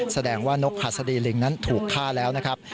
แสดงว่านกหัสดีลิงนั้นถูกฆ่าแล้วนะครับ